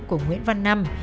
của nguyễn văn năm